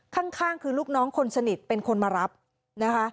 ข้างคือลูกน้องคนสนิทเป็นคนมารับนะคะ